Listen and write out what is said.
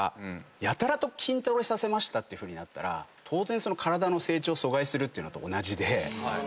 やたら筋トレさせたってなったら当然体の成長を阻害するっていうのと同じで。